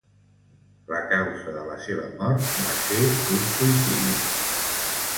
La causa de la seua mort va ser un suïcidi.